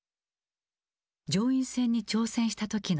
上院選に挑戦した時の映像。